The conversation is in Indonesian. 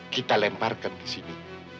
kita lemparkan di sini